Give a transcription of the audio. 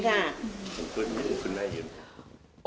ขอบคุณคุณมากปุ๊ย